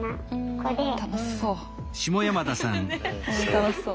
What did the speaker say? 楽しそう。